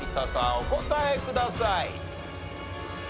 お答えください。